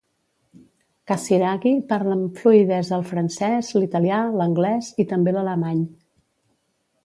Casiraghi parla amb fluïdesa el francès, l'italià, l'anglès i també l'alemany.